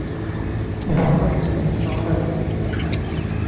Beṛka-ken ur ttnaɣem ara.